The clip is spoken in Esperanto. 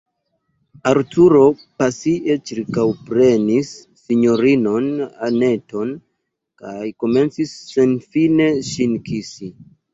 Arturo pasie ĉirkaŭprenis sinjorinon Anneton kaj komencis senfine ŝin kisi.